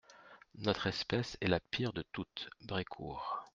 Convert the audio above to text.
Notre espèce est la pire de toutes, Brécourt !